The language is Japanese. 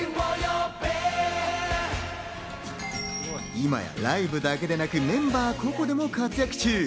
今やライブだけでなく、メンバー個々でも活躍中。